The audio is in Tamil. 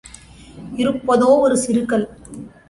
இருப்பதோ ஒரு சிறு கல்.